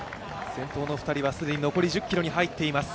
先頭の２人は既に残り１０ｋｍに入っています。